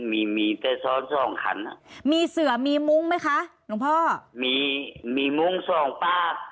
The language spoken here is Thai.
มีมีแต่ซ้อนสองขันอ่ะมีเสือมีมุ้งไหมคะหลวงพ่อมีมีมุ้งสองปาก